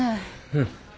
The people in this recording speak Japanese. うん。